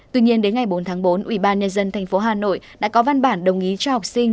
tuy nhiên đến ngày bốn tháng bốn ubnd tp hà nội đã có văn bản đồng ý cho học sinh